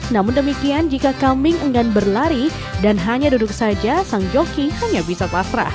namun demikian jika kambing enggan berlari dan hanya duduk saja sang joki hanya bisa pasrah